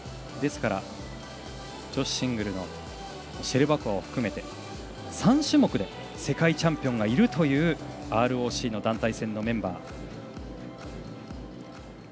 ですから、女子シングルのシェルバコワを含めて３種目で世界チャンピオンがいるというＲＯＣの団体戦のメンバー。